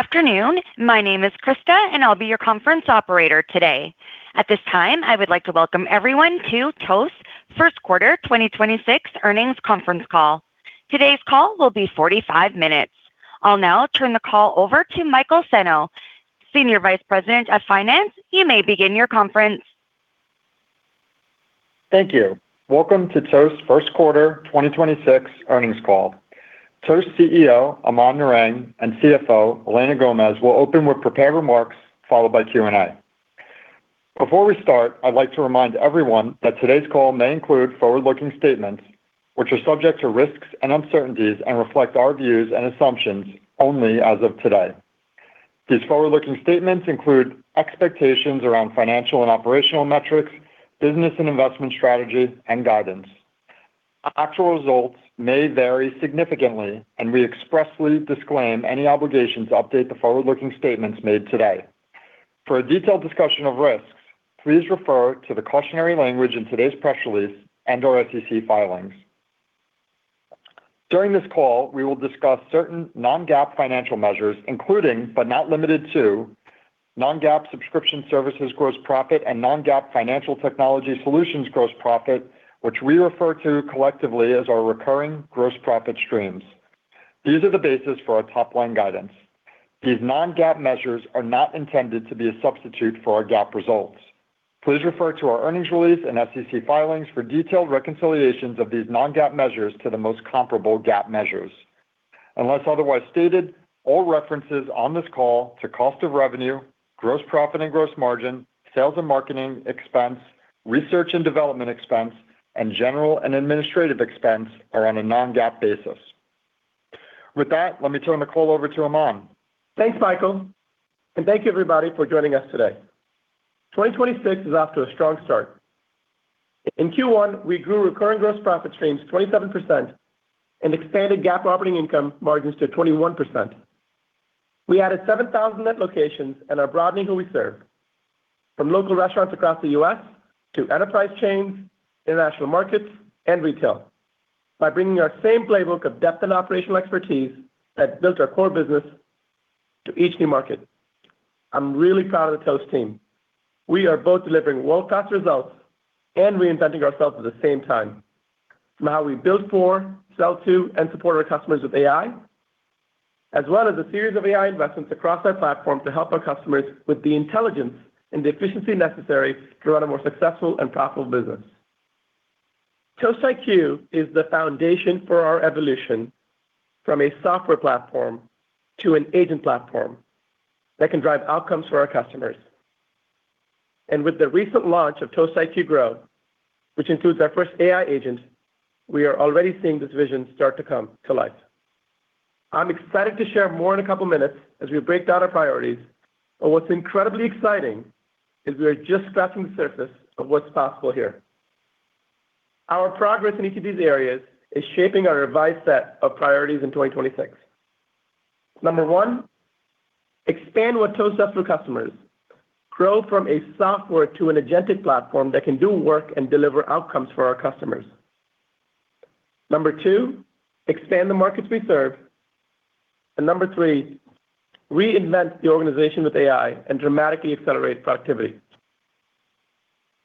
Good afternoon. My name is Krista, and I'll be your conference operator today. At this time, I would like to welcome everyone to Toast First Quarter 2026 Earnings Conference Call. Today's call will be 45 minutes. I'll now turn the call over to Michael Senno, Senior Vice President of Finance. You may begin your conference. Thank you. Welcome to Toast First Quarter 2026 Earnings Call. Toast CEO, Aman Narang, and CFO, Elena Gomez, will open with prepared remarks, followed by Q&A. Before we start, I'd like to remind everyone that today's call may include forward-looking statements, which are subject to risks and uncertainties and reflect our views and assumptions only as of today. These forward-looking statements include expectations around financial and operational metrics, business and investment strategy, and guidance. Actual results may vary significantly, and we expressly disclaim any obligation to update the forward-looking statements made today. For a detailed discussion of risks, please refer to the cautionary language in today's press release and/or SEC filings. During this call, we will discuss certain non-GAAP financial measures, including, but not limited to, non-GAAP subscription services gross profit and non-GAAP financial technology solutions gross profit, which we refer to collectively as our recurring gross profit streams. These are the basis for our top-line guidance. These non-GAAP measures are not intended to be a substitute for our GAAP results. Please refer to our earnings release and SEC filings for detailed reconciliations of these non-GAAP measures to the most comparable GAAP measures. Unless otherwise stated, all references on this call to cost of revenue, gross profit and gross margin, sales and marketing expense, research and development expense, and general and administrative expense are on a non-GAAP basis. With that, let me turn the call over to Aman. Thanks, Michael, and thank you everybody for joining us today. 2026 is off to a strong start. In Q1, we grew recurring gross profit streams 27% and expanded GAAP operating income margins to 21%. We added 7,000 net locations and are broadening who we serve from local restaurants across the U.S. to enterprise chains, international markets, and retail. By bringing our same playbook of depth and operational expertise that built our core business to each new market. I'm really proud of the Toast team. We are both delivering world-class results and reinventing ourselves at the same time. From how we build for, sell to, and support our customers with AI, as well as a series of AI investments across our platform to help our customers with the intelligence and the efficiency necessary to run a more successful and profitable business. Toast IQ is the foundation for our evolution from a software platform to an agent platform that can drive outcomes for our customers. With the recent launch of Toast IQ Grow, which includes our first AI agent, we are already seeing this vision start to come to life. I'm excited to share more in a couple of minutes as we break down our priorities, but what's incredibly exciting is we are just scratching the surface of what's possible here. Our progress in each of these areas is shaping our revised set of priorities in 2026. Number 1, expand what Toast does for customers. Grow from a software to an agentic platform that can do work and deliver outcomes for our customers. Number 2, expand the markets we serve. Number 3, reinvent the organization with AI and dramatically accelerate productivity.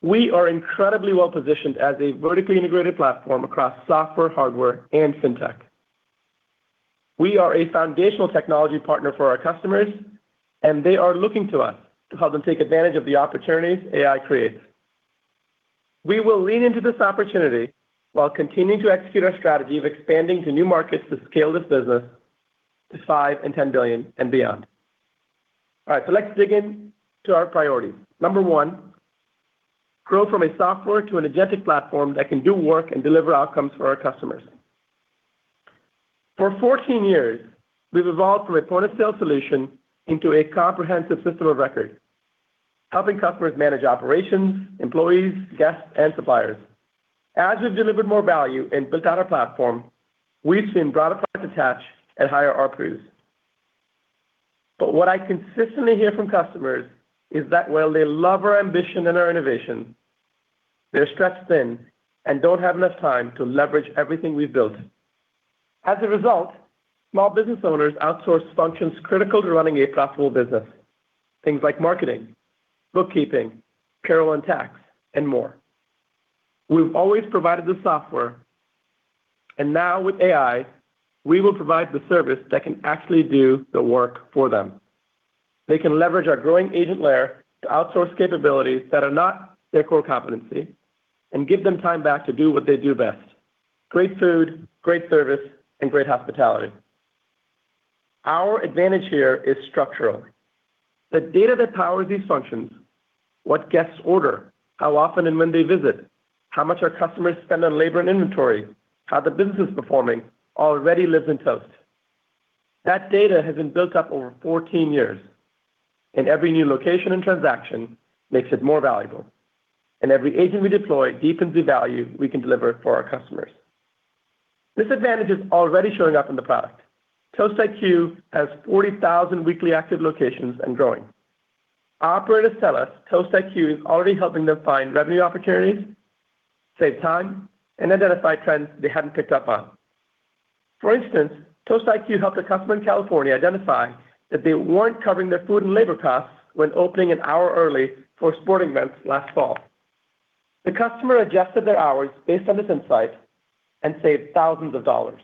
We are incredibly well-positioned as a vertically integrated platform across software, hardware, and Fintech. We are a foundational technology partner for our customers, they are looking to us to help them take advantage of the opportunities AI creates. We will lean into this opportunity while continuing to execute our strategy of expanding to new markets to scale this business to $5 billion and $10 billion and beyond. All right, let's dig in to our priorities. Number 1, grow from a software to an agentic platform that can do work and deliver outcomes for our customers. For 14 years, we've evolved from a point-of-sale solution into a comprehensive system of record, helping customers manage operations, employees, guests, and suppliers. As we've delivered more value and built out our platform, we've seen broader price attach and higher ARPUs. What I consistently hear from customers is that while they love our ambition and our innovation, they're stretched thin and don't have enough time to leverage everything we've built. As a result, small business owners outsource functions critical to running a profitable business. Things like marketing, bookkeeping, payroll and tax, and more. We've always provided the software, and now with AI, we will provide the service that can actually do the work for them. They can leverage our growing agent layer to outsource capabilities that are not their core competency and give them time back to do what they do best: great food, great service, and great hospitality. Our advantage here is structural. The data that powers these functions, what guests order, how often and when they visit, how much our customers spend on labor and inventory, how the business is performing, already lives in Toast. That data has been built up over 14 years, every new location and transaction makes it more valuable. Every agent we deploy deepens the value we can deliver for our customers. This advantage is already showing up in the product. Toast IQ has 40,000 weekly active locations and growing. Operators tell us Toast IQ is already helping them find revenue opportunities, save time, and identify trends they hadn't picked up on. For instance, Toast IQ helped a customer in California identify that they weren't covering their food and labor costs when opening an hour early for sporting events last fall. The customer adjusted their hours based on this insight and saved thousands of dollars.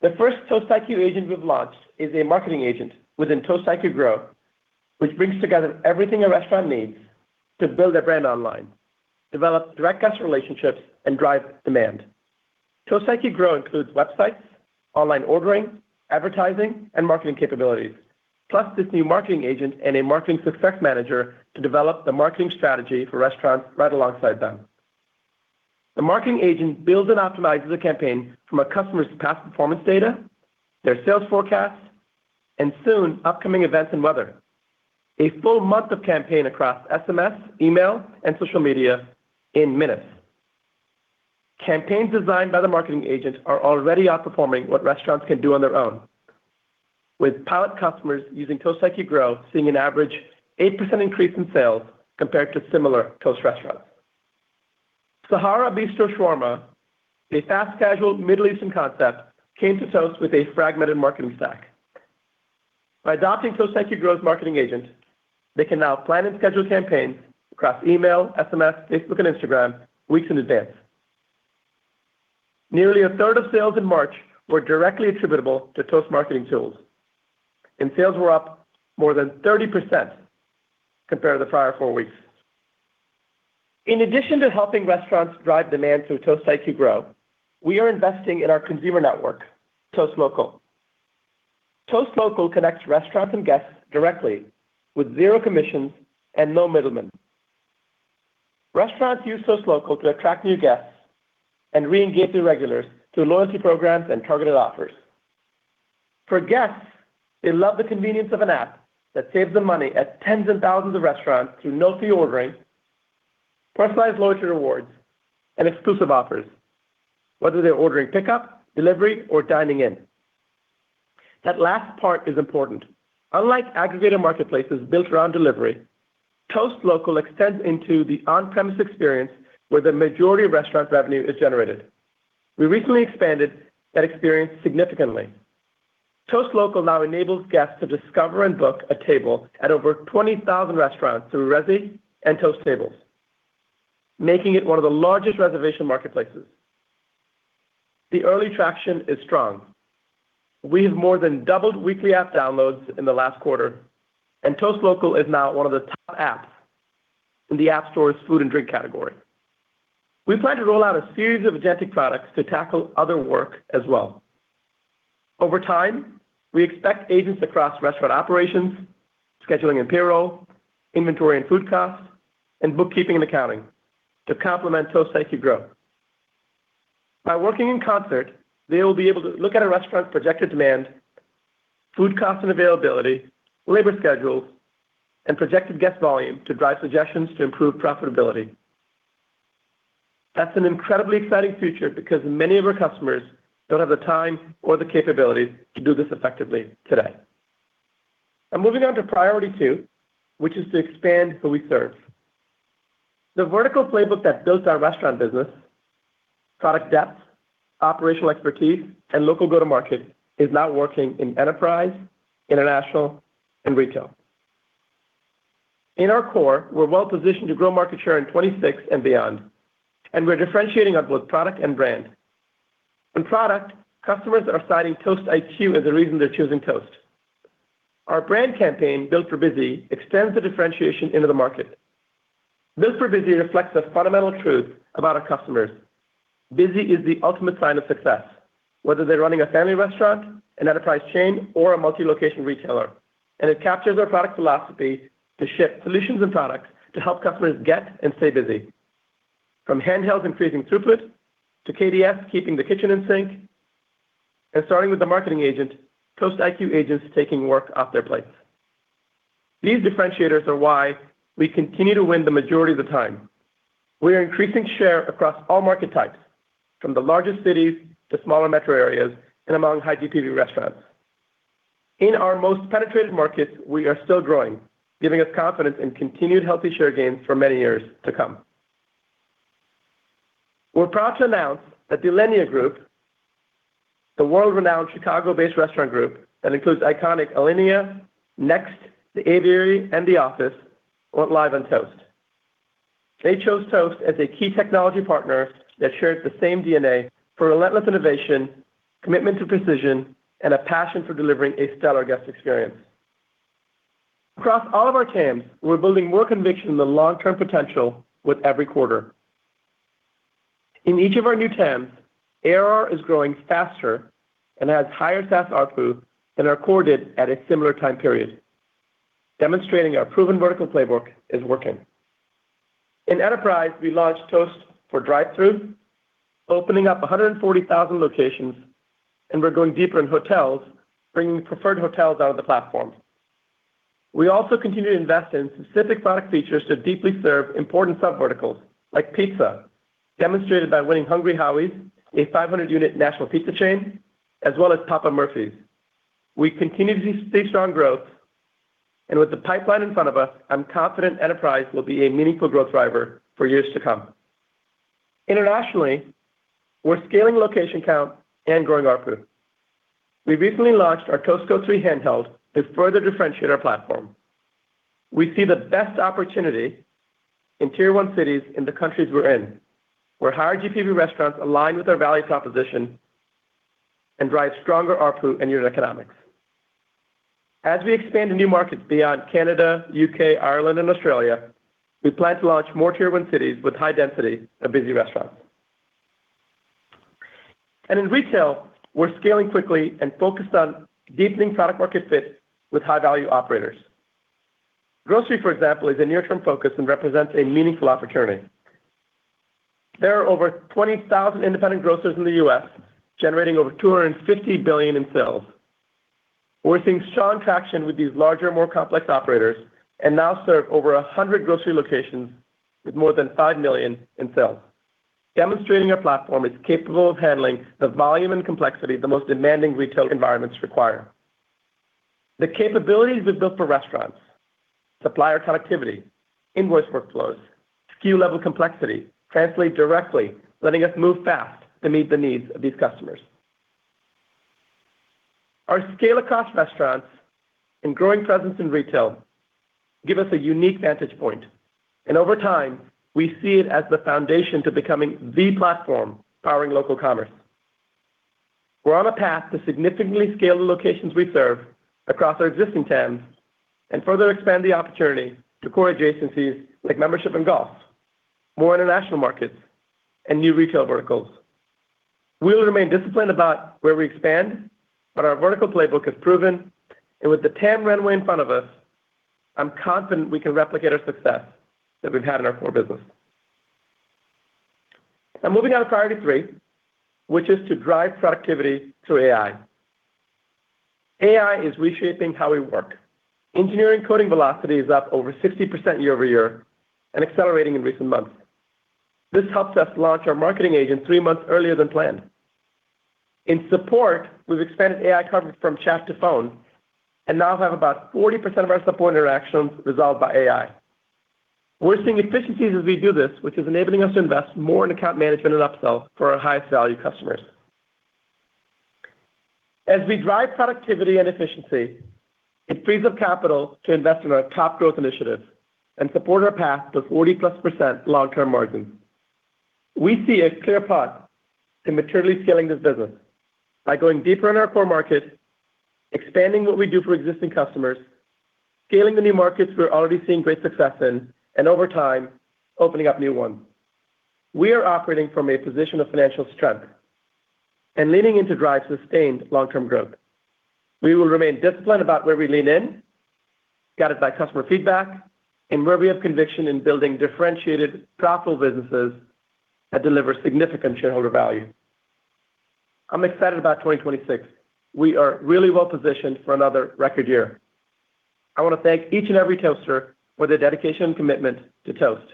The first Toast IQ agent we've launched is a marketing agent within Toast IQ Grow, which brings together everything a restaurant needs to build their brand online, develop direct customer relationships, and drive demand. Toast IQ Grow includes websites, online ordering, advertising, and marketing capabilities, plus this new marketing agent and a marketing success manager to develop the marketing strategy for restaurants right alongside them. The marketing agent builds and optimizes a campaign from a customer's past performance data, their sales forecast, and soon, upcoming events and weather. A full month of campaign across SMS, email, and social media in minutes. Campaigns designed by the marketing agent are already outperforming what restaurants can do on their own, with pilot customers using Toast IQ Grow seeing an average 8% increase in sales compared to similar Toast restaurants. Sahara Bistro Shawarma, a fast casual Middle Eastern concept, came to Toast with a fragmented marketing stack. By adopting Toast IQ Grow's marketing agent, they can now plan and schedule campaigns across email, SMS, Facebook, and Instagram weeks in advance. Nearly a third of sales in March were directly attributable to Toast marketing tools, and sales were up more than 30% compared to the prior four weeks. In addition to helping restaurants drive demand through Toast IQ Grow, we are investing in our consumer network, Toast Local. Toast Local connects restaurants and guests directly with zero commissions and no middlemen. Restaurants use Toast Local to attract new guests and re-engage their regulars through loyalty programs and targeted offers. For guests, they love the convenience of an app that saves them money at tens of thousands of restaurants through no-fee ordering, personalized loyalty rewards, and exclusive offers, whether they're ordering pickup, delivery, or dining in. That last part is important. Unlike aggregator marketplaces built around delivery, Toast Local extends into the on-premise experience where the majority of restaurant revenue is generated. We recently expanded that experience significantly. Toast Local now enables guests to discover and book a table at over 20,000 restaurants through Resy and Toast Tables, making it one of the largest reservation marketplaces. The early traction is strong. We've more than doubled weekly app downloads in the last quarter, and Toast Local is now one of the top apps in the App Store's food and drink category. We plan to roll out a series of agentic products to tackle other work as well. Over time, we expect agents across restaurant operations, scheduling and payroll, inventory and food cost, and bookkeeping and accounting to complement Toast IQ Grow. By working in concert, they will be able to look at a restaurant's projected demand, food cost and availability, labor schedules, and projected guest volume to drive suggestions to improve profitability. That's an incredibly exciting future because many of our customers don't have the time or the capability to do this effectively today. Moving on to priority 2, which is to expand who we serve. The vertical playbook that builds our restaurant business, product depth, operational expertise, and local go-to-market is now working in enterprise, international, and retail. In our core, we're well-positioned to grow market share in 26 and beyond, and we're differentiating on both product and brand. On product, customers are citing Toast IQ as the reason they're choosing Toast. Our brand campaign, Built For Busy, extends the differentiation into the market. Built For Busy reflects a fundamental truth about our customers. Busy is the ultimate sign of success, whether they're running a family restaurant, an enterprise chain, or a multi-location retailer. It captures our product philosophy to ship solutions and products to help customers get and stay busy. From handhelds increasing throughput to KDS keeping the kitchen in sync, and starting with the marketing agent, Toast IQ agents taking work off their plates. These differentiators are why we continue to win the majority of the time. We are increasing share across all market types, from the largest cities to smaller metro areas and among high GPV restaurants. In our most penetrated markets, we are still growing, giving us confidence in continued healthy share gains for many years to come. We're proud to announce that The Alinea Group, the world-renowned Chicago-based restaurant group that includes iconic Alinea, Next, The Aviary, and The Office, went live on Toast. They chose Toast as a key technology partner that shares the same DNA for relentless innovation, commitment to precision, and a passion for delivering a stellar guest experience. Across all of our TAMs, we're building more conviction in the long-term potential with every quarter. In each of our new TAMs, ARR is growing faster and has higher SaaS ARPU than our core did at a similar time period, demonstrating our proven vertical playbook is working. In enterprise, we launched Toast Drive-Thru, opening up 140,000 locations, and we're going deeper in hotels, bringing Preferred Hotels & Resorts onto the platform. We also continue to invest in specific product features to deeply serve important subverticals, like pizza, demonstrated by winning Hungry Howie's, a 500-unit national pizza chain, as well as Papa Murphy's. We continue to see strong growth. With the pipeline in front of us, I'm confident Enterprise will be a meaningful growth driver for years to come. Internationally, we're scaling location count and growing ARPU. We recently launched our Toast Go 3 handheld to further differentiate our platform. We see the best opportunity in tier 1 cities in the countries we're in, where higher GPV restaurants align with our value proposition and drive stronger ARPU and unit economics. As we expand to new markets beyond Canada, U.K., Ireland, and Australia, we plan to launch more tier 1 cities with high density and busy restaurants. In Retail, we're scaling quickly and focused on deepening product market fit with high-value operators. Grocery, for example, is a near-term focus and represents a meaningful opportunity. There are over 20,000 independent grocers in the U.S. generating over $250 billion in sales. We're seeing strong traction with these larger, more complex operators and now serve over 100 grocery locations with more than $5 million in sales. Demonstrating our platform is capable of handling the volume and complexity the most demanding retail environments require. The capabilities we've built for restaurants, supplier connectivity, invoice workflows, SKU level complexity translate directly, letting us move fast to meet the needs of these customers. Our scale across restaurants and growing presence in retail give us a unique vantage point, and over time, we see it as the foundation to becoming the platform powering local commerce. We're on a path to significantly scale the locations we serve across our existing TAMs and further expand the opportunity to core adjacencies like membership and golf, more international markets, and new retail verticals. We'll remain disciplined about where we expand, but our vertical playbook has proven, and with the TAM runway in front of us, I'm confident we can replicate our success that we've had in our core business. Moving on to priority 3, which is to drive productivity through AI. AI is reshaping how we work. Engineering coding velocity is up over 60% year-over-year and accelerating in recent months. This helped us launch our marketing agent 3 months earlier than planned. In support, we've expanded AI coverage from chat to phone and now have about 40% of our support interactions resolved by AI. We're seeing efficiencies as we do this, which is enabling us to invest more in account management and upsell for our highest value customers. As we drive productivity and efficiency, it frees up capital to invest in our top growth initiatives and support our path to 40-plus% long-term margins. We see a clear path to materially scaling this business by going deeper in our core market, expanding what we do for existing customers, scaling the new markets we're already seeing great success in, and over time, opening up new ones. We are operating from a position of financial strength and leaning in to drive sustained long-term growth. We will remain disciplined about where we lean in, guided by customer feedback, and where we have conviction in building differentiated, profitable businesses that deliver significant shareholder value. I'm excited about 2026. We are really well positioned for another record year. I want to thank each and every Toaster for their dedication and commitment to Toast,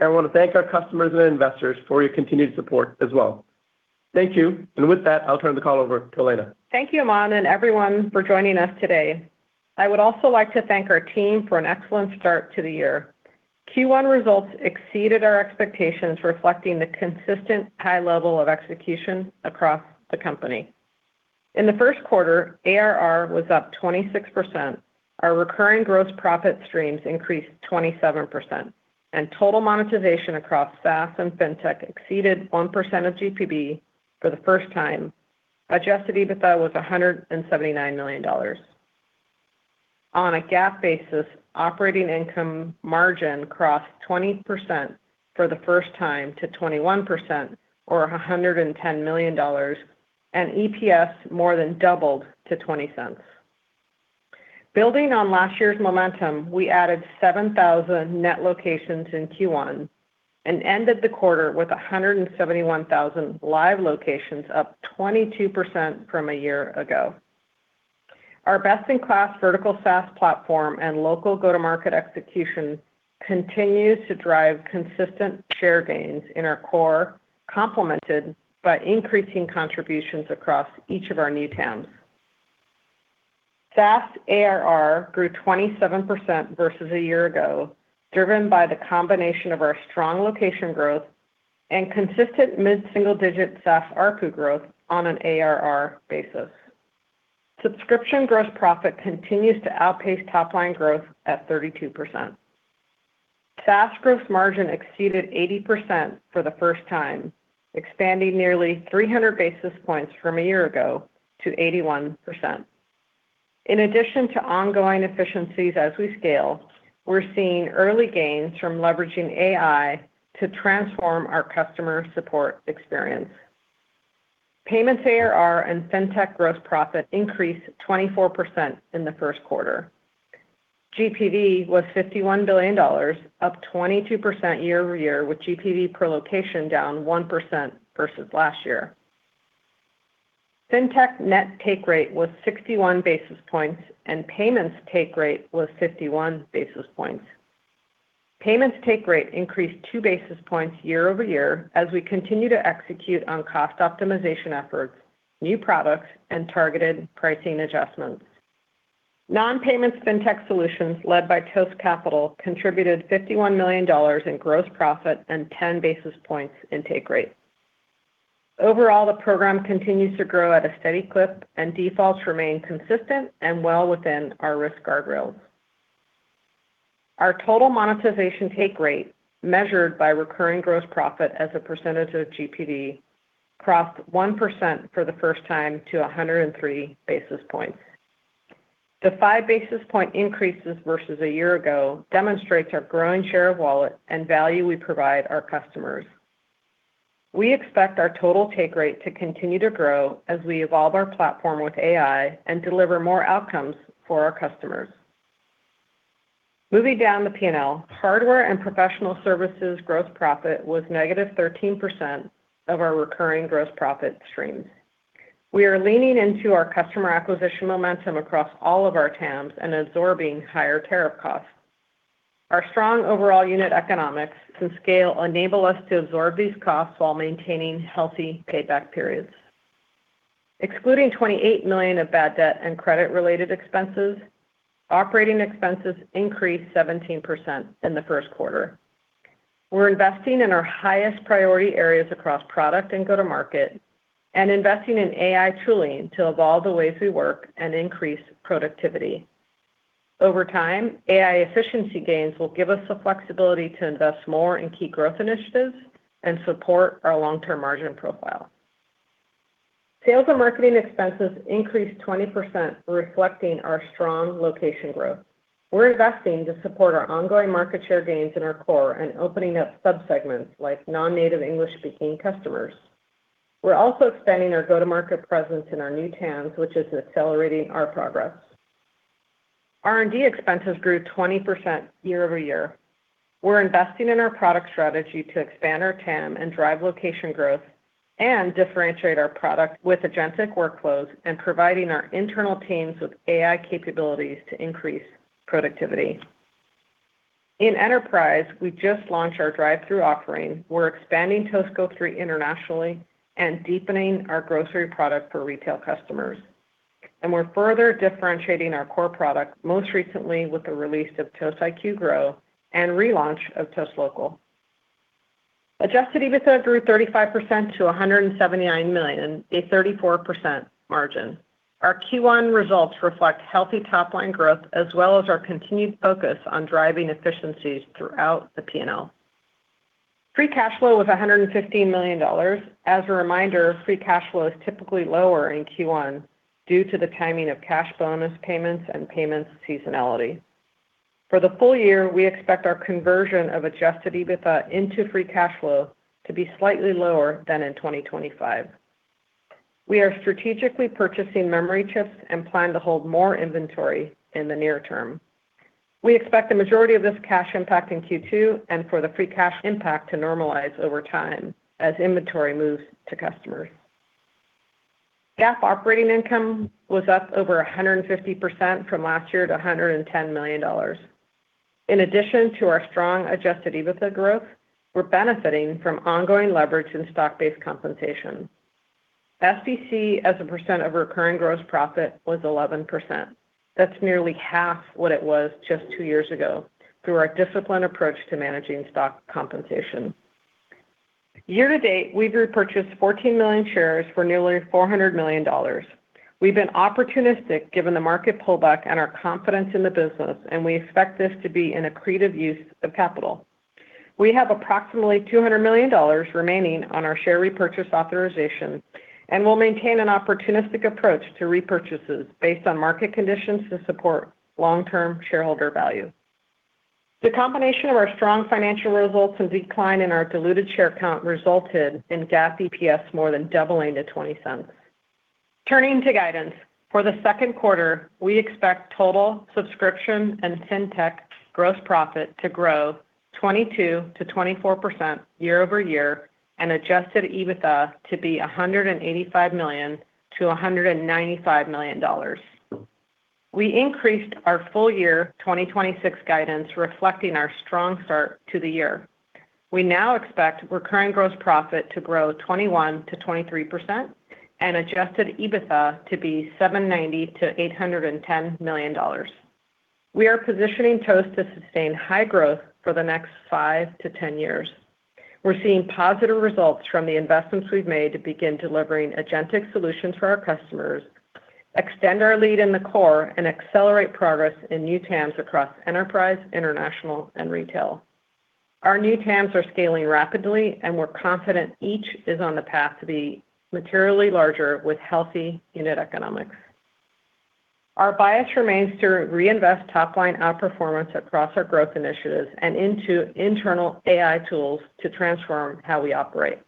and I want to thank our customers and investors for your continued support as well. Thank you. With that, I'll turn the call over to Elena. Thank you, Aman and everyone for joining us today. I would also like to thank our team for an excellent start to the year. Q1 results exceeded our expectations, reflecting the consistent high level of execution across the company. In the first quarter, ARR was up 26%. Our recurring gross profit streams increased 27%. Total monetization across SaaS and Fintech exceeded 1% of GPV for the first time. Adjusted EBITDA was $179 million. On a GAAP basis, operating income margin crossed 20% for the first time to 21% or $110 million, and EPS more than doubled to $0.20. Building on last year's momentum, we added 7,000 net locations in Q1 and ended the quarter with 171,000 live locations, up 22% from a year ago. Our best-in-class vertical SaaS platform and local go-to-market execution continues to drive consistent share gains in our core, complemented by increasing contributions across each of our new TAMs. SaaS ARR grew 27% versus a year ago, driven by the combination of our strong location growth and consistent mid-single-digit SaaS ARPU growth on an ARR basis. Subscription gross profit continues to outpace top line growth at 32%. SaaS gross margin exceeded 80% for the first time, expanding nearly 300 basis points from a year ago to 81%. In addition to ongoing efficiencies as we scale, we're seeing early gains from leveraging AI to transform our customer support experience. Payments ARR and Fintech gross profit increased 24% in the first quarter. GPV was $51 billion, up 22% year-over-year, with GPV per location down 1% versus last year. Fintech net take rate was 61 basis points, and payments take rate was 51 basis points. Payments take rate increased 2 basis points year-over-year as we continue to execute on cost optimization efforts, new products, and targeted pricing adjustments. Non-payments Fintech solutions led by Toast Capital contributed $51 million in gross profit and 10 basis points in take rate. Overall, the program continues to grow at a steady clip, and defaults remain consistent and well within our risk guardrails. Our total monetization take rate, measured by recurring gross profit as a percentage of GPV, crossed 1% for the first time to 103 basis points. The 5 basis point increases versus a year ago demonstrates our growing share of wallet and value we provide our customers. We expect our total take rate to continue to grow as we evolve our platform with AI and deliver more outcomes for our customers. Moving down the P&L, hardware and professional services ggross profit was negative 13% of our recurring gross profit streams. We are leaning into our customer acquisition momentum across all of our TAMs and absorbing higher tariff costs. Our strong overall unit economics and scale enable us to absorb these costs while maintaining healthy payback periods. Excluding $28 million of bad debt and credit-related expenses, operating expenses increased 17% in the first quarter. We're investing in our highest priority areas across product and go-to-market, and investing in AI tooling to evolve the ways we work and increase productivity. Over time, AI efficiency gains will give us the flexibility to invest more in key growth initiatives and support our long-term margin profile. Sales and marketing expenses increased 20%, reflecting our strong location growth. We're investing to support our ongoing market share gains in our core and opening up sub-segments like non-native English-speaking customers. We're also expanding our go-to-market presence in our new TAMs, which is accelerating our progress. R&D expenses grew 20% year-over-year. We're investing in our product strategy to expand our TAM and drive location growth and differentiate our product with agentic workloads and providing our internal teams with AI capabilities to increase productivity. In Enterprise, we just launched our drive-thru offering. We're expanding Toast Go 3 internationally and deepening our grocery product for retail customers. We're further differentiating our core product, most recently with the release of Toast IQ Grow and relaunch of Toast Local. Adjusted EBITDA grew 35% to $179 million, a 34% margin. Our Q1 results reflect healthy top-line growth, as well as our continued focus on driving efficiencies throughout the P&L. Free cash flow was $115 million. As a reminder, free cash flow is typically lower in Q1 due to the timing of cash bonus payments and payments seasonality. For the full year, we expect our conversion of Adjusted EBITDA into free cash flow to be slightly lower than in 2025. We are strategically purchasing memory chips and plan to hold more inventory in the near term. We expect the majority of this cash impact in Q2 and for the free cash impact to normalize over time as inventory moves to customers. GAAP operating income was up over 150% from last year to $110 million. In addition to our strong Adjusted EBITDA growth, we're benefiting from ongoing leverage in stock-based compensation. SBC as a percent of recurring gross profit was 11%. That's nearly half what it was just 2 years ago through our disciplined approach to managing stock compensation. Year to date, we've repurchased 14 million shares for nearly $400 million. We've been opportunistic given the market pullback and our confidence in the business, and we expect this to be an accretive use of capital. We have approximately $200 million remaining on our share repurchase authorization and will maintain an opportunistic approach to repurchases based on market conditions to support long-term shareholder value. The combination of our strong financial results and decline in our diluted share count resulted in GAAP EPS more than doubling to $0.20. Turning to guidance, for the second quarter, we expect total subscription and Fintech gross profit to grow 22%-24% year-over-year and Adjusted EBITDA to be $185 million-$195 million. We increased our full year 2026 guidance reflecting our strong start to the year. We now expect recurring gross profit to grow 21%-23% and Adjusted EBITDA to be $790 million-$810 million. We are positioning Toast to sustain high growth for the next 5-10 years. We're seeing positive results from the investments we've made to begin delivering agentic solutions for our customers, extend our lead in the core, and accelerate progress in new TAMs across enterprise, international, and retail. Our new TAMs are scaling rapidly. We're confident each is on the path to be materially larger with healthy unit economics. Our bias remains to reinvest top-line outperformance across our growth initiatives and into internal AI tools to transform how we operate.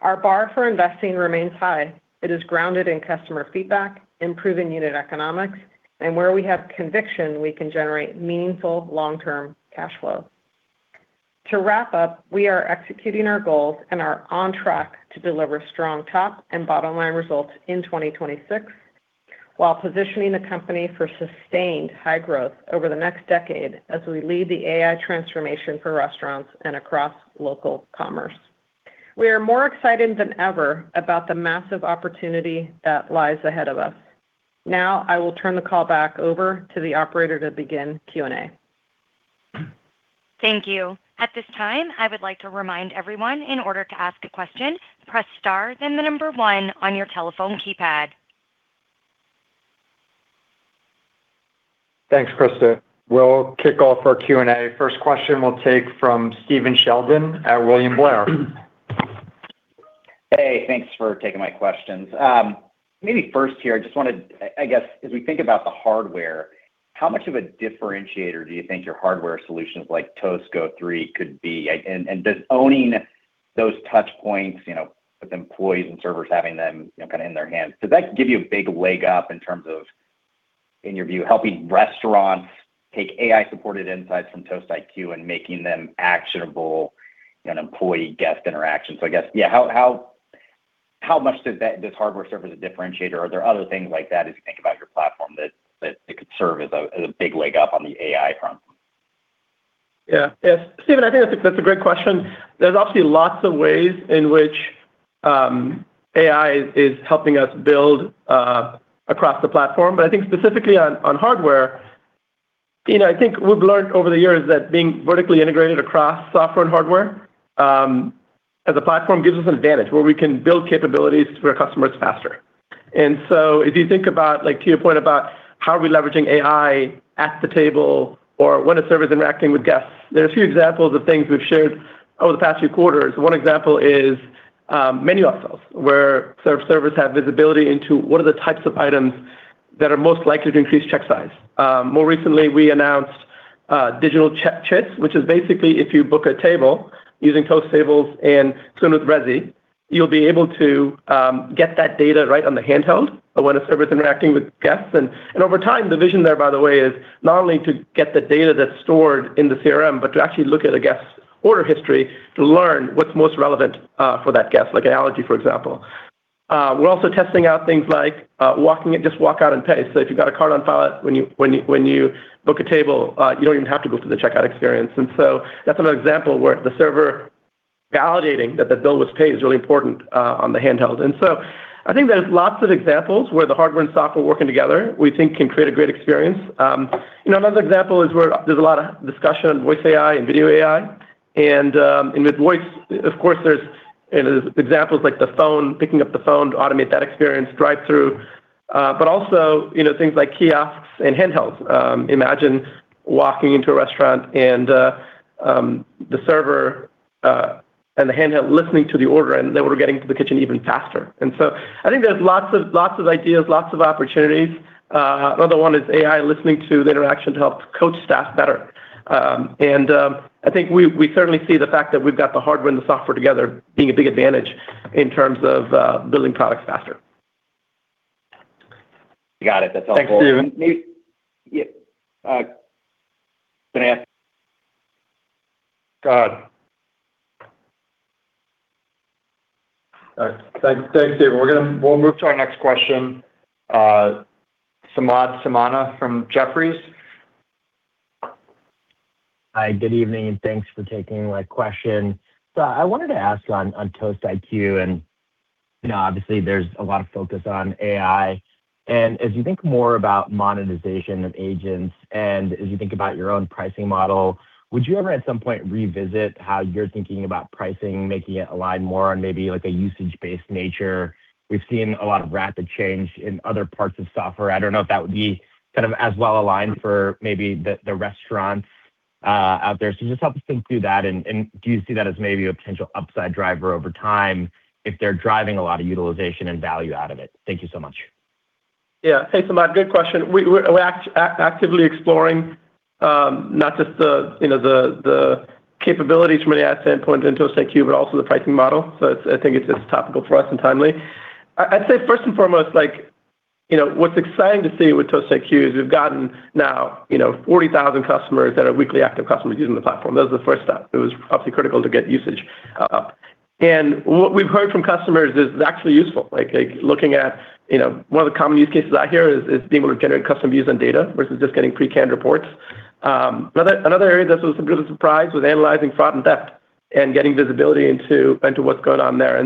Our bar for investing remains high. It is grounded in customer feedback, improving unit economics, and where we have conviction we can generate meaningful long-term cash flow. To wrap up, we are executing our goals and are on track to deliver strong top and bottom line results in 2026, while positioning the company for sustained high growth over the next decade as we lead the AI transformation for restaurants and across local commerce. We are more excited than ever about the massive opportunity that lies ahead of us. Now, I will turn the call back over to the operator to begin Q&A. Thank you. At this time, I would like to remind everyone in order to ask a question, press star then the 1 on your telephone keypad. Thanks, Krista. We'll kick off our Q&A. First question we'll take from Stephen Sheldon at William Blair. Hey, thanks for taking my questions. Maybe first here, I guess as we think about the hardware, how much of a differentiator do you think your hardware solutions like Toast Go 3 could be? Does owning those touch points, you know, with employees and servers having them, you know, kind of in their hands, does that give you a big leg up in terms of, In your view, helping restaurants take AI-supported insights from Toast IQ and making them actionable in an employee-guest interaction? I guess, yeah, how much does that, does hardware serve as a differentiator? Are there other things like that as you think about your platform that could serve as a big leg up on the AI front? Yes, Stephen, I think that's a great question. There's obviously lots of ways in which AI is helping us build across the platform. I think specifically on hardware, you know, I think we've learned over the years that being vertically integrated across software and hardware as a platform gives us an advantage where we can build capabilities for our customers faster. If you think about, like, to your point about how are we leveraging AI at the table or when a server's interacting with guests, there are a few examples of things we've shared over the past few quarters. One example is Menu Upsells, where servers have visibility into what are the types of items that are most likely to increase check size. More recently, we announced digital checks, which is basically if you book a table using Toast Tables and soon with Resy, you'll be able to get that data right on the handheld of when a server's interacting with guests. Over time, the vision there, by the way, is not only to get the data that's stored in the CRM, but to actually look at a guest's order history to learn what's most relevant for that guest, like an allergy, for example. We're also testing out things like walk out, just walk out and pay. If you've got a card on file when you book a table, you don't even have to go through the checkout experience. That's another example where the server validating that the bill was paid is really important on the handheld. I think there's lots of examples where the hardware and software working together, we think can create a great experience. You know, another example is where there's a lot of discussion on voice AI and video AI. With voice, of course, there's, you know, examples like the phone, picking up the phone to automate that experience, drive-thru, but also, you know, things like kiosks and handhelds. Imagine walking into a restaurant and the server and the handheld listening to the order, and then we're getting to the kitchen even faster. I think there's lots of, lots of ideas, lots of opportunities. Another one is AI listening to the interaction to help coach staff better. I think we certainly see the fact that we've got the hardware and the software together being a big advantage in terms of building products faster. Got it. That's helpful. Thanks, Stephen. Maybe, yeah, Go ahead. All right. Thanks, Stephen. We'll move to our next question. Samad Samana from Jefferies. Hi, good evening, and thanks for taking my question. I wanted to ask on Toast IQ, you know, obviously there's a lot of focus on AI. As you think more about monetization of agents and as you think about your own pricing model, would you ever at some point revisit how you're thinking about pricing, making it align more on maybe like a usage-based nature? We've seen a lot of rapid change in other parts of software. I don't know if that would be as well aligned for maybe the restaurants out there. Just help us think through that, and do you see that as maybe a potential upside driver over time if they're driving a lot of utilization and value out of it? Thank you so much. Yeah. Thanks, Samad. Good question. We're actively exploring not just the capabilities from an AI standpoint in Toast IQ, but also the pricing model. I think it's topical for us and timely. I'd say first and foremost, what's exciting to see with Toast IQ is we've gotten now 40,000 customers that are weekly active customers using the platform. That was the first step. It was absolutely critical to get usage up. What we've heard from customers is it's actually useful. Looking at one of the common use cases I hear is being able to generate custom views on data versus just getting pre-canned reports. Another area that was a bit of a surprise was analyzing fraud and theft and getting visibility into what's going on there.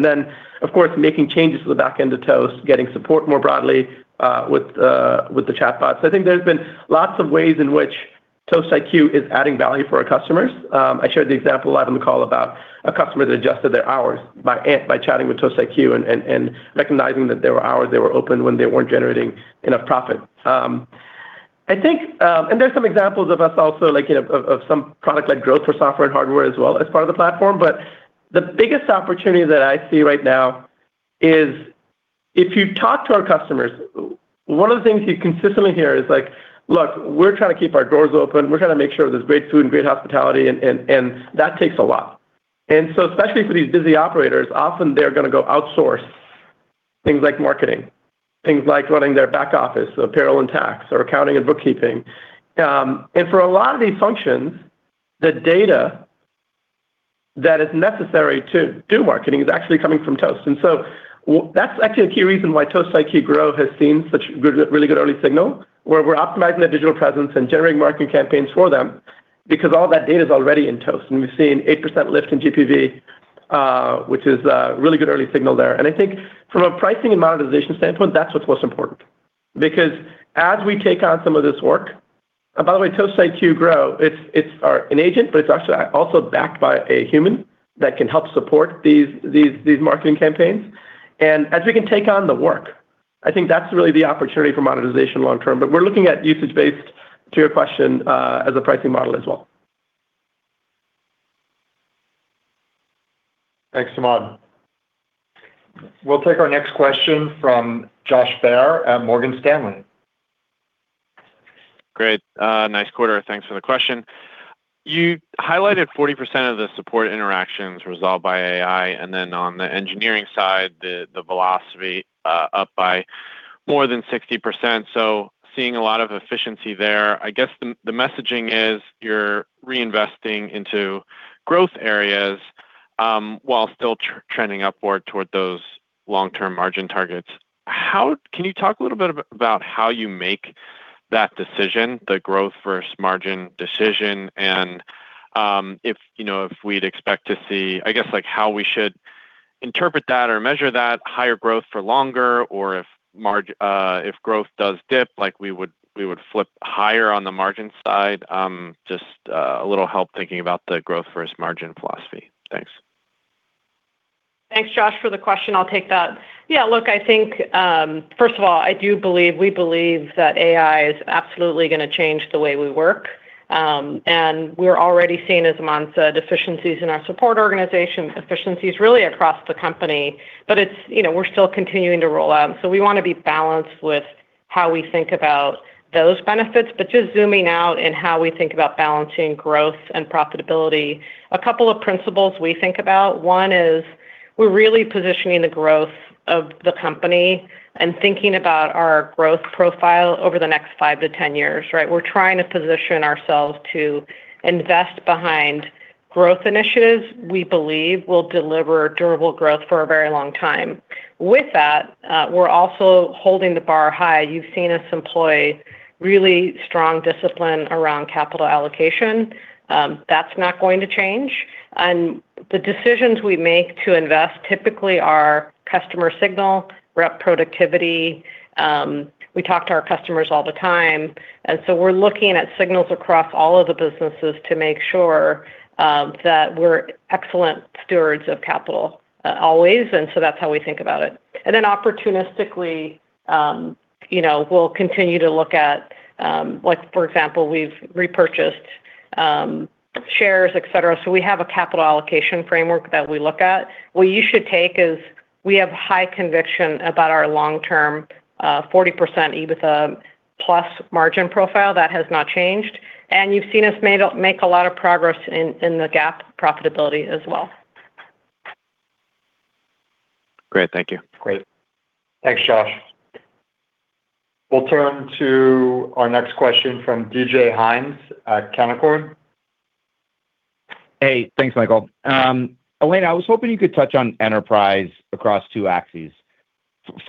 Of course, making changes to the back end of Toast, getting support more broadly with the chatbot. I think there's been lots of ways in which Toast IQ is adding value for our customers. I shared the example earlier in the call about a customer that adjusted their hours by chatting with Toast IQ and recognizing that there were hours they were open when they weren't generating enough profit. I think there are some examples of us also like, you know, some product-led growth for software and hardware as well as part of the platform. The biggest opportunity that I see right now is if you talk to our customers, 1 of the things you consistently hear is like, "Look, we're trying to keep our doors open. We're trying to make sure there's great food and great hospitality," and that takes a lot. Especially for these busy operators, often they're going to go outsource things like marketing, things like running their back office, so payroll and tax, or accounting and bookkeeping. For a lot of these functions, the data that is necessary to do marketing is actually coming from Toast. That's actually a key reason why Toast IQ Grow has seen such good, really good early signal, where we're optimizing their digital presence and generating marketing campaigns for them because all that data is already in Toast, and we've seen 8% lift in GPV, which is a really good early signal there. I think from a pricing and monetization standpoint, that's what's most important. Because as we take on some of this work and by the way, Toast IQ Grow, it's an agent, but it's actually also backed by a human that can help support these marketing campaigns. As we can take on the work, I think that's really the opportunity for monetization long term. We're looking at usage-based, to your question, as a pricing model as well. Thanks, Aman. We'll take our next question from Josh Baer at Morgan Stanley. Great. nice quarter. Thanks for the question. You highlighted 40% of the support interactions resolved by AI, and then on the engineering side, the velocity up by more than 60%, seeing a lot of efficiency there. I guess the messaging is you're reinvesting into growth areas, while still trending upward toward those long-term margin targets. How Can you talk a little bit about how you make that decision, the growth versus margin decision, if, you know, if we'd expect to see I guess, like, how we should interpret that or measure that, higher growth for longer, or if growth does dip, like, we would flip higher on the margin side, just a little help thinking about the growth versus margin philosophy? Thanks. Thanks, Josh, for the question. I'll take that. Yeah, look, I think, first of all, I do believe, we believe that AI is absolutely gonna change the way we work. We're already seeing, as Aman said, efficiencies in our support organization, efficiencies really across the company. It's, you know, we're still continuing to roll out. We want to be balanced with how we think about those benefits. Just zooming out in how we think about balancing growth and profitability, a couple of principles we think about. One is we're really positioning the growth of the company and thinking about our growth profile over the next 5 to 10 years, right? We're trying to position ourselves to invest behind growth initiatives we believe will deliver durable growth for a very long time. With that, we're also holding the bar high. You've seen us employ really strong discipline around capital allocation. That's not going to change. The decisions we make to invest typically are customer signal, rep productivity. We talk to our customers all the time, we're looking at signals across all of the businesses to make sure that we're excellent stewards of capital always. That's how we think about it. Opportunistically, you know, we'll continue to look at Like, for example, we've repurchased shares, et cetera. We have a capital allocation framework that we look at. What you should take is we have high conviction about our long-term 40% EBITDA plus margin profile. That has not changed. You've seen us make a lot of progress in the GAAP profitability as well. Great. Thank you. Great. Thanks, Josh. We'll turn to our next question from DJ Hynes at Canaccord. Hey. Thanks, Michael. Elena, I was hoping you could touch on enterprise across two axes.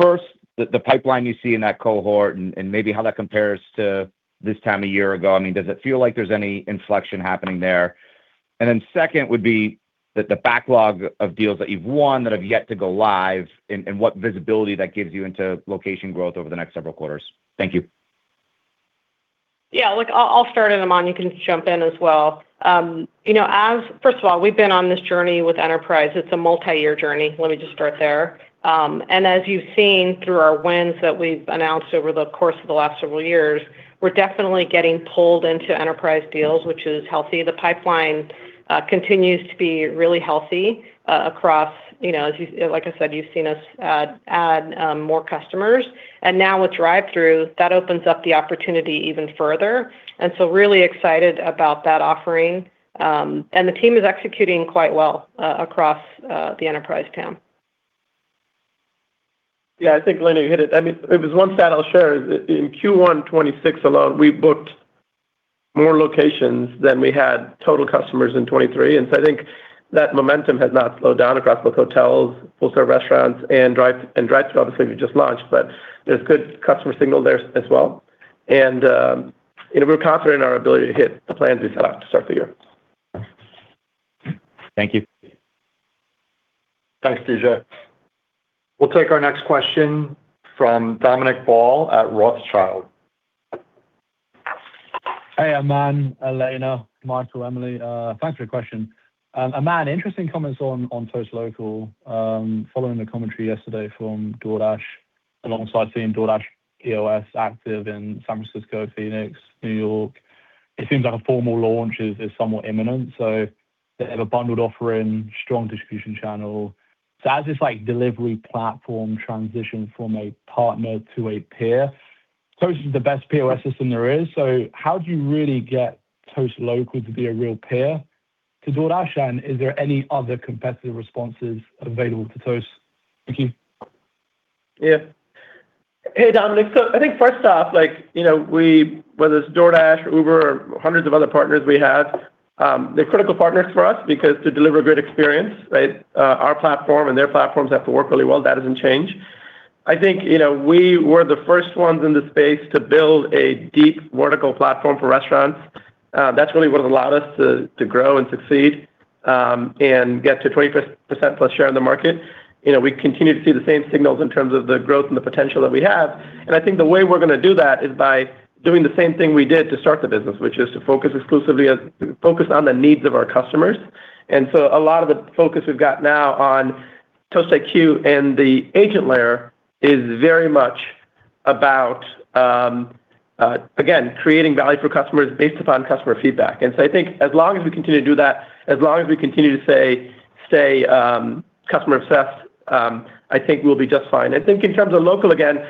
First, the pipeline you see in that cohort and maybe how that compares to this time a year ago. I mean, does it feel like there's any inflection happening there? Second would be the backlog of deals that you've won that have yet to go live and what visibility that gives you into location growth over the next several quarters. Thank you. Yeah, look, I'll start. Aman, you can jump in as well. You know, first of all, we've been on this journey with enterprise. It's a multi-year journey. Let me just start there. As you've seen through our wins that we've announced over the course of the last several years, we're definitely getting pulled into enterprise deals, which is healthy. The pipeline continues to be really healthy across, you know, like I said, you've seen us add more customers. Now with Drive-Thru, that opens up the opportunity even further. Really excited about that offering. The team is executing quite well across the enterprise TAM. Yeah, I think, Elena, you hit it. I mean, if there's one stat I'll share is in Q1 2026 alone, we booked more locations than we had total customers in 2023. I think that momentum has not slowed down across both hotels, full-service restaurants, and Drive-Thru, obviously, we just launched, but there's good customer signal there as well. You know, we're confident in our ability to hit the plans we set out to start the year. Thank you. Thanks, DJ. We'll take our next question from Dominic Ball at Rothschild. Hey, Aman, Elena, Michael, Emily, thanks for the question. Aman, interesting comments on Toast Local, following the commentary yesterday from DoorDash. Alongside seeing DoorDash POS active in San Francisco, Phoenix, New York, it seems like a formal launch is somewhat imminent. They have a bundled offering, strong distribution channel. As this, like, delivery platform transitions from a partner to a peer, Toast is the best POS system there is. How do you really get Toast Local to be a real peer to DoorDash? Is there any other competitive responses available to Toast? Thank you. Yeah. Hey, Dominic, I think first off, like, you know, whether it's DoorDash, Uber, or hundreds of other partners we have, they're critical partners for us because to deliver a great experience, right? Our platform and their platforms have to work really well. That doesn't change. I think, you know, we were the first ones in the space to build a deep vertical platform for restaurants. That's really what allowed us to grow and succeed and get to 25% plus share in the market. You know, we continue to see the same signals in terms of the growth and the potential that we have. I think the way we're gonna do that is by doing the same thing we did to start the business, which is to focus exclusively and focus on the needs of our customers. A lot of the focus we've got now on Toast IQ and the agent layer is very much about, again, creating value for customers based upon customer feedback. I think as long as we continue to do that, as long as we continue to stay customer obsessed, I think we'll be just fine. I think in terms of local, again,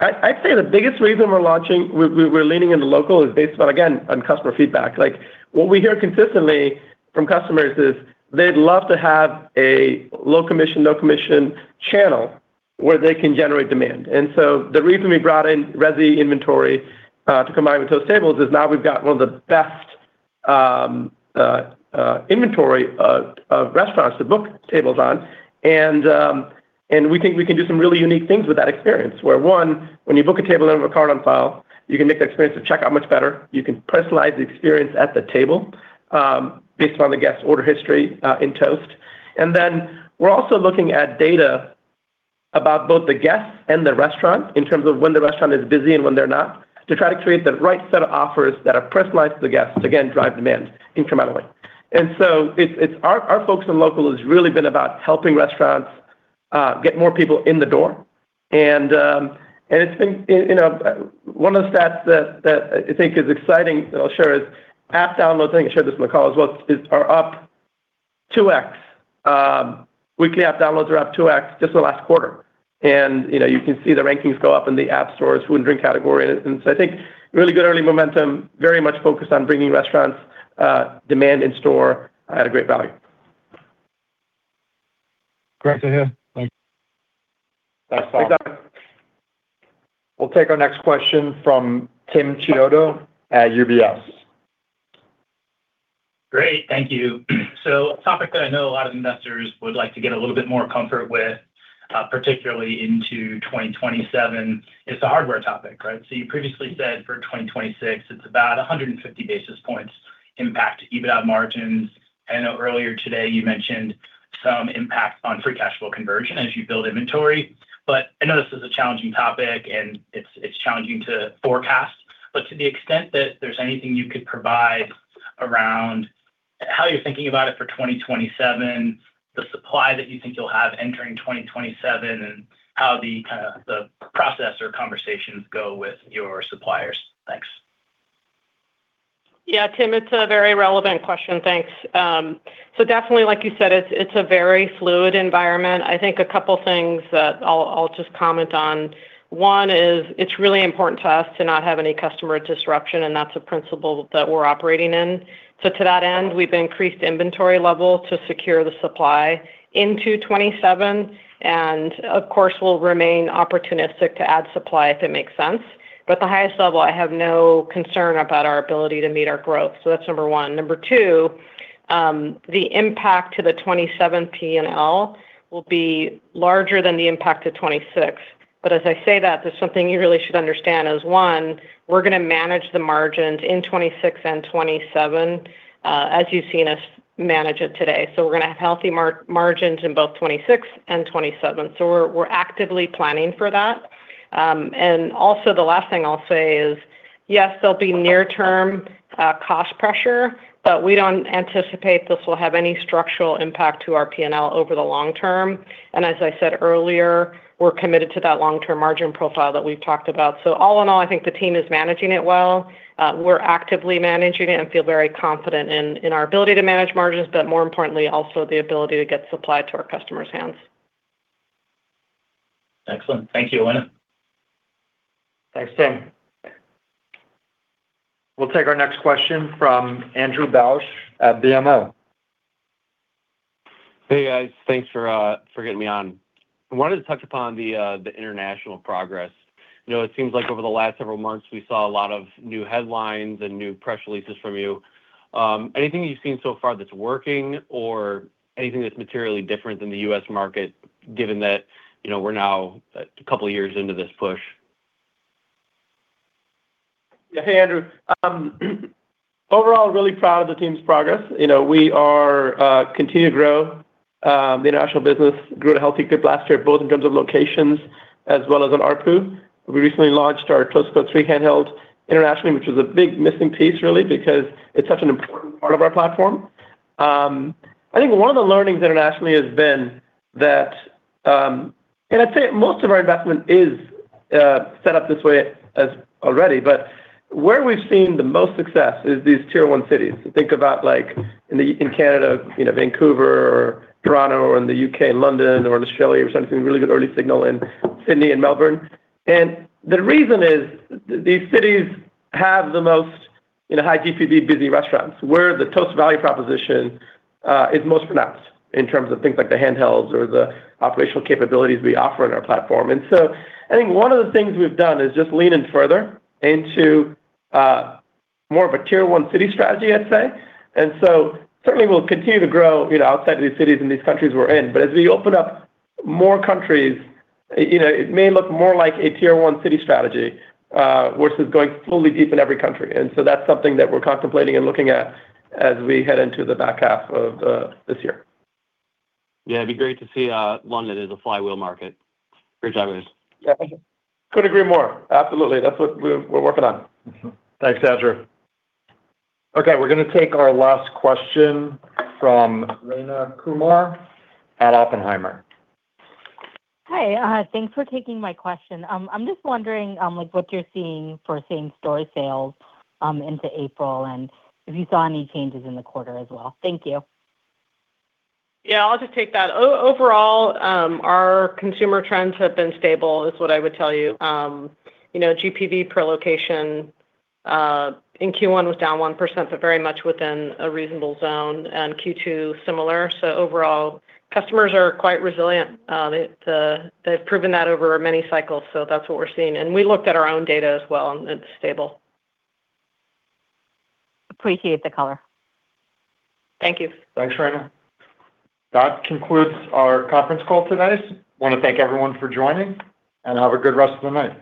I'd say the biggest reason we're leaning into local is based upon, again, on customer feedback. Like, what we hear consistently from customers is they'd love to have a low commission, no commission channel where they can generate demand. The reason we brought in Resy inventory to combine with Toast Tables is now we've got one of the best inventory of restaurants to book tables on. We think we can do some really unique things with that experience where, one, when you book a table and have a card on file, you can make the experience of checkout much better. You can personalize the experience at the table, based on the guest order history, in Toast. Then we're also looking at data about both the guests and the restaurant in terms of when the restaurant is busy and when they're not, to try to create the right set of offers that are personalized to the guests, again, drive demand incrementally. So it's our focus on local has really been about helping restaurants get more people in the door. You know, one of the stats that I think is exciting, I'll share is app downloads, I think I shared this in the call as well, is, are up 2x. Weekly app downloads are up 2x just the last quarter. You know, you can see the rankings go up in the App Store, food and drink category. I think really good early momentum, very much focused on bringing restaurants, demand in store at a great value. Great to hear. Thanks. Thanks, Dom. We'll take our next question from Tim Chiodo at UBS. Great. Thank you. A topic that I know a lot of investors would like to get a little bit more comfort with, particularly into 2027. It's a hardware topic, right? You previously said for 2026, it's about 150 basis points impact EBITDA margins. I know earlier today you mentioned some impact on free cash flow conversion as you build inventory. I know this is a challenging topic, and it's challenging to forecast. To the extent that there's anything you could provide around how you're thinking about it for 2027, the supply that you think you'll have entering 2027, and how the kind of the process or conversations go with your suppliers. Thanks. Yeah, Tim, it's a very relevant question. Thanks. Definitely, like you said, it's a very fluid environment. I think a couple things that I'll just comment on. 1 is it's really important to us to not have any customer disruption. That's a principle that we're operating in. To that end, we've increased inventory level to secure the supply into 2027. Of course, we'll remain opportunistic to add supply if it makes sense. The highest level, I have no concern about our ability to meet our growth. That's number 1. Number 2, the impact to the 2027 P&L will be larger than the impact to 2026. As I say that, there's something you really should understand is, 1, we're gonna manage the margins in 2026 and 2027 as you've seen us manage it today. We're gonna have healthy margins in both 2026 and 2027. We're actively planning for that. And also the last thing I'll say is, yes, there'll be near-term cost pressure, but we don't anticipate this will have any structural impact to our P&L over the long term. As I said earlier, we're committed to that long-term margin profile that we've talked about. All in all, I think the team is managing it well. We're actively managing it and feel very confident in our ability to manage margins, but more importantly, also the ability to get supply to our customers' hands. Excellent. Thank you, Elena. Thanks, Tim. We'll take our next question from Andrew Bauch at BMO. Hey, guys. Thanks for for getting me on. I wanted to touch upon the international progress. You know, it seems like over the last several months, we saw a lot of new headlines and new press releases from you. Anything you've seen so far that's working or anything that's materially different than the U.S. market, given that, you know, we're now a couple of years into this push? Yeah. Hey, Andrew Bauch. Overall, really proud of the team's progress. You know, we continue to grow. The international business grew at a healthy clip last year, both in terms of locations as well as in ARPU. We recently launched our Toast Go 3 handheld internationally, which was a big missing piece, really, because it's such an important part of our platform. I think one of the learnings internationally has been that, and I'd say most of our investment is set up this way as already. Where we've seen the most success is these tier 1 cities. Think about like in Canada, you know, Vancouver or Toronto, or in the U.K., London, or in Australia, we're seeing some really good early signal in Sydney and Melbourne. The reason is these cities have the most, you know, high GPV busy restaurants, where the Toast value proposition is most pronounced in terms of things like the handhelds or the operational capabilities we offer in our platform. I think one of the things we've done is just lean in further into more of a tier 1 city strategy, I'd say. Certainly we'll continue to grow, you know, outside of these cities and these countries we're in. As we open up more countries, you know, it may look more like a tier 1 city strategy versus going fully deep in every country. That's something that we're contemplating and looking at as we head into the back half of this year. Yeah, it'd be great to see London as a flywheel market for drivers. Yeah. Couldn't agree more. Absolutely. That's what we're working on. Thanks, Andrew. Okay, we're gonna take our last question from Rayna Kumar at Oppenheimer. Hi. Thanks for taking my question. I'm just wondering, like what you're seeing for same-store sales, into April, and if you saw any changes in the quarter as well. Thank you. Yeah, I'll just take that. Overall, our consumer trends have been stable, is what I would tell you. You know, GPV per location, in Q1 was down 1%, but very much within a reasonable zone, and Q2 similar. Overall, customers are quite resilient. They've proven that over many cycles. That's what we're seeing. We looked at our own data as well, and it's stable. Appreciate the color. Thank you. Thanks, Rayna. That concludes our conference call tonight. We want to thank everyone for joining, and have a good rest of the night.